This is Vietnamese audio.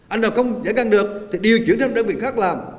anh nào không giải ngăn được thì điều chuyển cho đơn vị khác làm